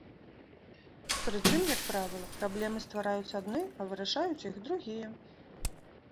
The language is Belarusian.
Прычым, як правіла, праблемы ствараюць адны, а вырашаюць іх другія.